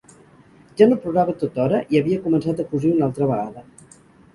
Ja no plorava tothora i havia començat a cosir una altra vegada.